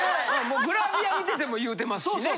グラビア見てても言うてますしね。